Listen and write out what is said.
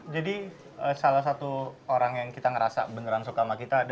jadi salah satu orang yang kita ngerasa beneran suka sama kita ada